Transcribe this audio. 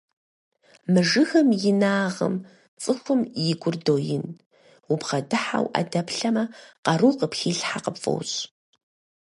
Мы жыгым и инагъым цӀыхум и гур доин, убгъэдыхьэу Ӏэ дэплъэмэ, къару къыпхилъхьа къыпфӀощӀ.